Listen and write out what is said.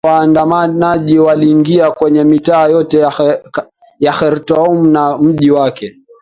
Mamia ya waandamanaji waliingia kwenye mitaa yote ya Khartoum na mji wake